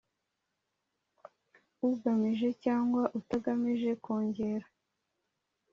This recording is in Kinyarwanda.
Ugamije cyangwa utagamije kongera